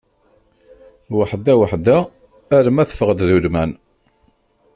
Weḥda weḥda, alma teffeɣ-d d ulman.